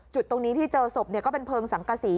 จุดตรงนี้ที่เจอศพก็เป็นเพลิงสังกษี